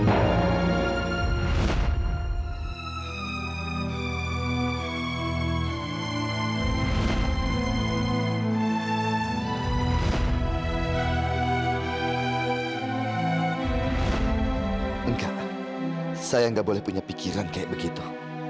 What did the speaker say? tidak saya tidak boleh memiliki pikiran seperti itu